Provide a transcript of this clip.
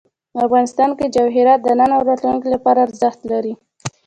افغانستان کې جواهرات د نن او راتلونکي لپاره ارزښت لري.